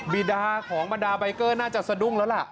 บีดาของบรรดาใบเกอร์น่าจะสะดุ้งแล้วล่ะ